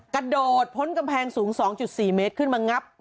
กระโดดพ้นกำแพงสูง๒๔เมตรขึ้นมางับ